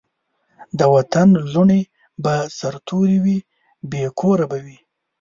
د وطن لوڼي به سرتوري وي بې کوره به وي